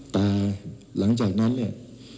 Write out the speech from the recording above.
แต่หลังจากนั้นเนี่ย